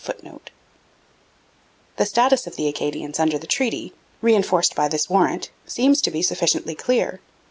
] The status of the Acadians under the treaty, reinforced by this warrant, seems to be sufficiently clear.